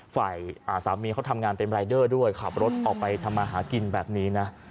ฝ่ายสามีเขาทำงานเป็นรายเดอร์ด้วยขับรถออกไปทำมาหากินแบบนี้นะ